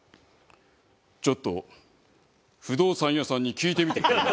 ちょっと不動産屋さんに聞いてみてくれないか？